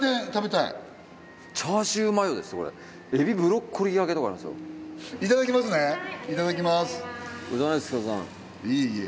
いえいえ。